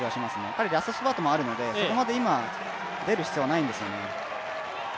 彼、ラストスパートもあるので、そこまで今、出る必要もないんですよね。